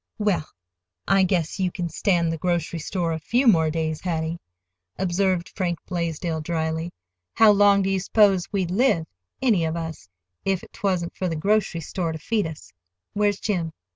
"Well, I guess you can stand the grocery store a few more days, Hattie," observed Frank Blaisdell dryly. "How long do you s'pose we'd live—any of us—if 'twa'n't for the grocery stores to feed us? Where's Jim?"